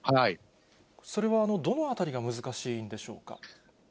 それはどのあたりが難しいんでしょうか。